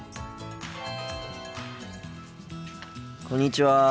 こんにちは。